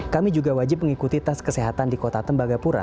kami juga wajib mengikuti tas kesehatan di kota tembaga pertama